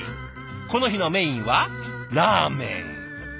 この日のメインはラーメン。